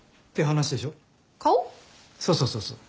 そうそうそうそう。